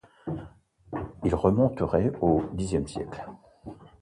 Il remonterait au Xe siècle.